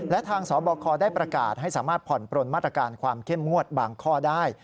และทางสบคได้ประกาศให้สามารถผ่อนปลนมาตรการความเข้มงวดบางข้อได้